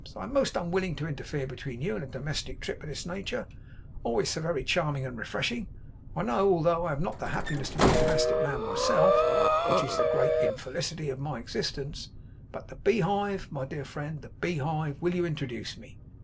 I am most unwilling to interfere between you and a domestic trip of this nature (always so very charming and refreshing, I know, although I have not the happiness to be a domestic man myself, which is the great infelicity of my existence); but the beehive, my dear friend, the beehive will you introduce me?